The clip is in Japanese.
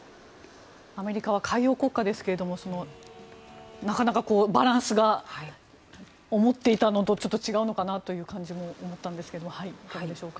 アメリカは海洋国家ですがなかなかバランスが思っていたのとちょっと違うのかなという感じも思ったんですがいかがでしょう。